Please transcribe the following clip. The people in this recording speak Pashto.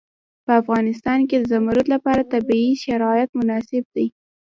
په افغانستان کې د زمرد لپاره طبیعي شرایط مناسب دي.